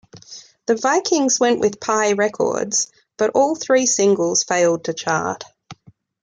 The Vikings went with Pye Records, but all three singles failed to chart.